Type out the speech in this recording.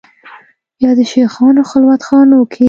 یا د شېخانو خلوت خانو کې